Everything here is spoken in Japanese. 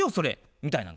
みたいなの